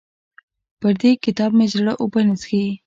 پر دې کتاب مې زړه اوبه نه څښي.